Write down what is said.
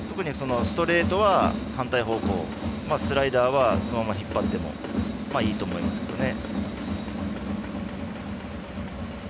ストレートは反対方向スライダーはそのまま引っ張ってもいいと思いますね。